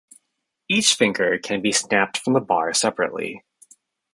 Each finger can be snapped from the bar separately.